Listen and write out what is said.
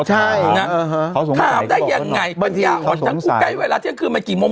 ถามได้ยังไงขี้โรนหนังขุวใกล้เวลาเที่ยงคืนมันกี่โมง